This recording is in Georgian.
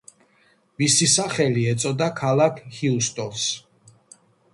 მისი სახელი ეწოდა ქალაქ ჰიუსტონს.